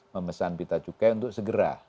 memesan pita cukai untuk segera